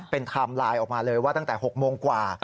เป็นไทม์ไลน์ออกมาเลยว่าตั้งแต่๖โมงกว่า